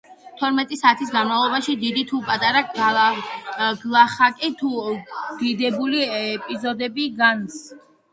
თორმეტი საათის განმავლობაში, დიდი თუ პატარა, გლახაკი თუ დიდებული ეზიდებოდა განძს.